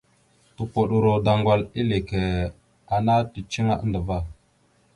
Tupoɗoro daŋgwal eleke ana ticiŋa andəva.